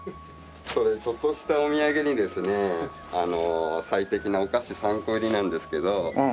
それちょっとしたお土産にですね最適なお菓子３個入りなんですけど。